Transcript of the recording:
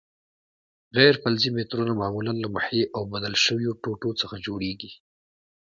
غیر فلزي مترونه معمولاً له محې او بدل شویو ټوټو څخه جوړیږي.